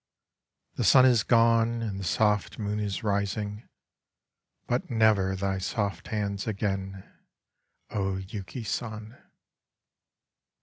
The sun is gone and the soft moon is rising, but never thy soft hands again, O Yuki San!